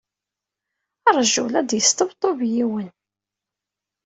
Ṛju, la d-yesṭebṭub yiwen.